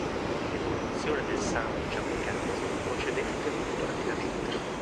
L'evoluzione del sound giamaicano procedette molto rapidamente.